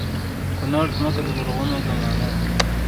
کونړ ځمکه د لرغونو زمانو ده